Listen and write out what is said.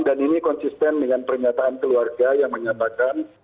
dan ini konsisten dengan pernyataan keluarga yang menyatakan